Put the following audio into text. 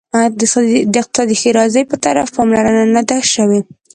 د اقتصادي ښیرازي په طرف پاملرنه نه ده شوې.